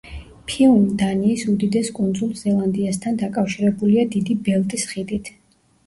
ფიუნი დანიის უდიდეს კუნძულ ზელანდიასთან დაკავშირებულია დიდი ბელტის ხიდით.